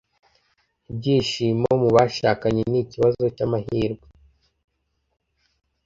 Ibyishimo mu bashakanye ni ikibazo cyamahirwe.